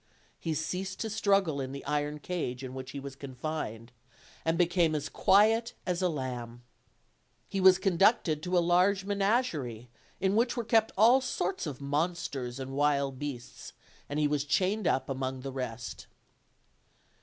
He ceased to struggle in the iron cage in which he was confined, and became as quiet as a lamb. He was conducted to a large menagerie, in which were kept all sorts of monsters and wild beasts, and he was chained up among the rest.